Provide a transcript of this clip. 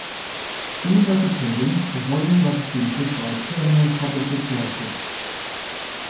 In the United Kingdom, the volumes are distributed by Turnaround Publisher Services.